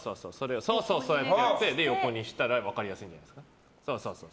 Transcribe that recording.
で、横にしたら分かりやすいんじゃないですか。